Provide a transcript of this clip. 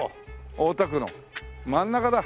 大田区の真ん中だ。